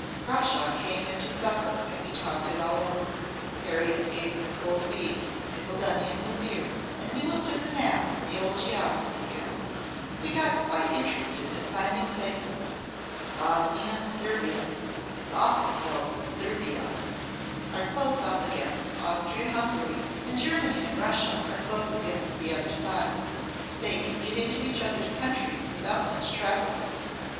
Crawshaw came in to supper and we talked it all over. Harriet gave us cold beef and pickled onions and beer, and we looked at the maps in the old geography again. We got quite interested in finding places. Bosnia and Servia (it's often spelled Serbia) are close up against Austria Hungary, and Germany and Russia are close against the other side. They can get into each other's countries without much travelling.